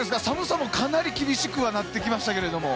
寒さもかなり厳しくなってきましたが。